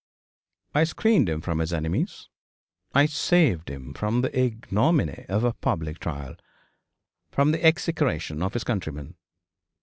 I screened him from his enemies I saved him from the ignominy of a public trial from the execration of his countrymen.